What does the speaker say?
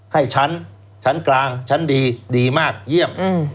ให้ชั้นชั้นกลางชั้นดีดีมากเยี่ยม